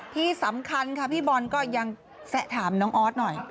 ที่สำคัญค่ะพี่บอลก็ยังแซะถามน้องออสหน่อย